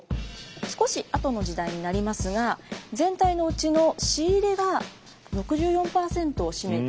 少し後の時代になりますが全体のうちの「仕入れ」が６４％を占めていて。